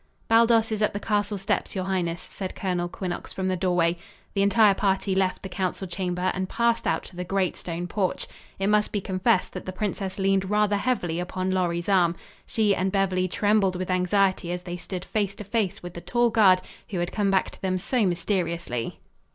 "Baldos is at the castle steps, your highness," said Colonel Quinnox from the doorway. The entire party left the council chamber and passed out to the great stone porch. It must be confessed that the princess leaned rather heavily upon Lorry's arm. She and Beverly trembled with anxiety as they stood face to face with the tall guard who had come back to them so mysteriously.